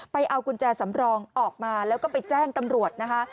เอากุญแจสำรองออกมาแล้วก็ไปแจ้งตำรวจนะคะ